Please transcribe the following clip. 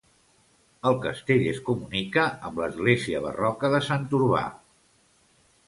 El castell es comunica amb l'església barroca de Sant Urbà.